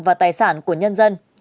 và tài sản của nhân dân